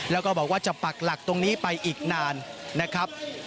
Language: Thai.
แล้วก็บอกว่าจะปักหลักตรงนี้ไปอีกนานนะครับ